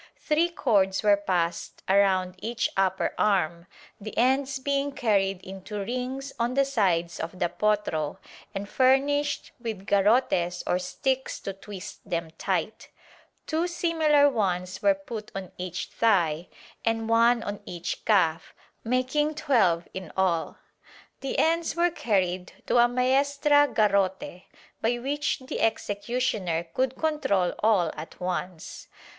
Three cords were passed around each upper arm, the ends being carried into rings on the sides of the potro and furnished with garrotes or sticks to twist them tight; two similar ones were put on each thigh and one on each calf, making twelve in all. The ends were carried to a maestra garrote by which the executioner could control all at once.